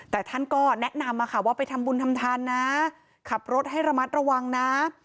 แต่ท่านก็แนะนำว่าไปทำบุญทำทานนะขับรถให้ระมัดระวังนะ